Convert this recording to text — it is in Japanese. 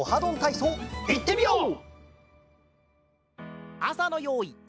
いってみよう！